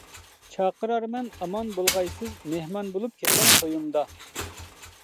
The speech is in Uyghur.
چاقىرارمەن ئامان بولغايسىز، مېھمان بولۇپ كېتىڭ تويۇمدا.